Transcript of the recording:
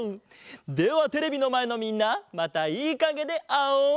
ではテレビのまえのみんなまたいいかげであおう。